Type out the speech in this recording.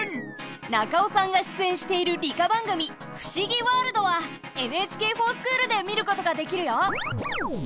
中尾さんが出演している理科番組「ふしぎワールド」は「ＮＨＫｆｏｒＳｃｈｏｏｌ」で見ることができるよ！